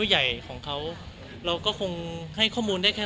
เรียกงานไปเรียบร้อยแล้ว